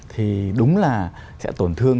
thì đúng là sẽ tổn thương